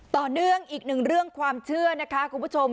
ต่อเนื่องอีกหนึ่งเรื่องความเชื่อนะคะคุณผู้ชม